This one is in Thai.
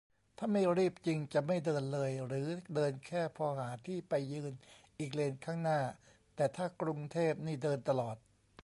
ถ้าไม่รีบจริงจะไม่เดินเลย หรือเดินแค่พอหาที่ไปยืนอีกเลนข้างหน้า แต่ถ้ากรุงเทพนี่เดินตลอด